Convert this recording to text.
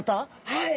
はい。